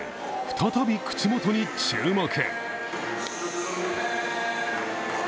再び口元に注目。